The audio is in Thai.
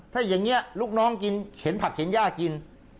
ถ้าอย่างนี้ลูกน้องกินเข็นผักเข็นย่ากิน